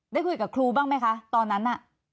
ได้คุยกับครูบ้างไหมคะตอนนั้นน่ะ